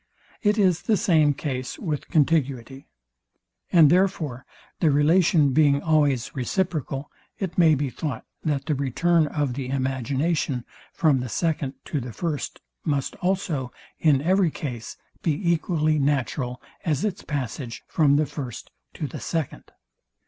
It is the same case with contiguity: And therefore the relation being always reciprocal, it may be thought, that the return of the imagination from the second to the first must also, in every case, be equally natural as its passage from the first to the second.